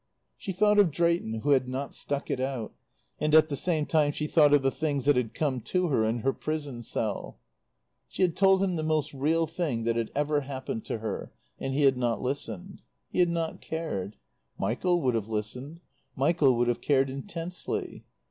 She thought of Drayton who had not stuck it out. And at the same time she thought of the things that had come to her in her prison cell. She had told him the most real thing that had ever happened to her, and he had not listened. He had not cared. Michael would have listened. Michael would have cared intensely.